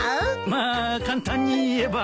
まあ簡単に言えば。